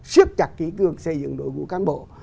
xước chặt kỹ cường xây dựng đội của cán bộ